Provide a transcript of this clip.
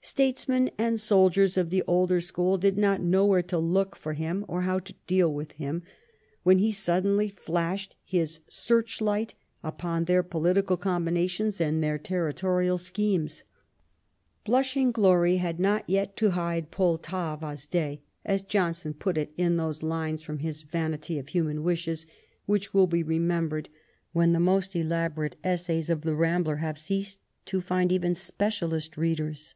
Statesmen and soldiers of the older school did not know where to look for him, or how to deal with him, when he suddenly flashed his search light upon their political combinations and their territorial schemes. Blushing glory had not yet to hide Pultowa's day, as Johnson put it in those lines from his Vanity of Human Wishes, which will be remembered when the most elaborate essays of The Rambler have ceased to find even specialist readers.